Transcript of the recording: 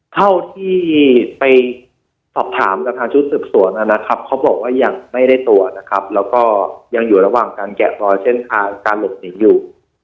เท่าที่ไปสอบถามกับทางชุดสืบสวนนะครับเขาบอกว่ายังไม่ได้ตัวนะครับแล้วก็ยังอยู่ระหว่างการแกะรอยเส้นทางการหลบหนีอยู่